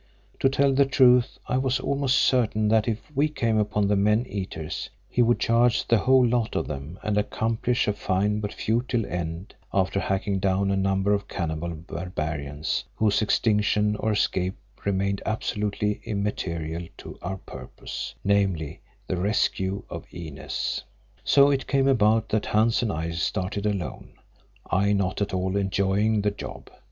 To tell the truth, I was almost certain that if we came upon the men eaters, he would charge the whole lot of them and accomplish a fine but futile end after hacking down a number of cannibal barbarians, whose extinction or escape remained absolutely immaterial to our purpose, namely, the rescue of Inez. So it came about that Hans and I started alone, I not at all enjoying the job.